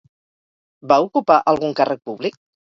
Va ocupar algun càrrec públic?